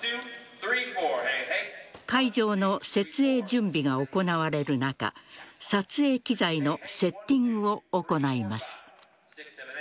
会場の設営準備が行われる中撮影機材のセッティングを行います。